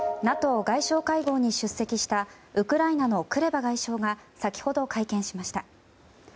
ＮＡＴＯ外相会合に出席したウクライナのクレバ外相が先ほど会見しました。